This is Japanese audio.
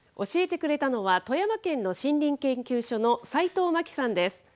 教えてくれたのは、富山県の森林研究所の斎藤真己さんです。